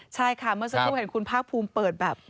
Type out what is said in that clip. เมื่อสักครู่เข้าเห็นคุณผ้าพรุมเปิดแบบ